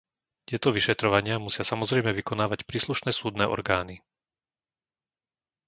Tieto vyšetrovania musia samozrejme vykonávať príslušné súdne orgány.